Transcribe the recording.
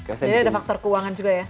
jadi ada faktor keuangan juga ya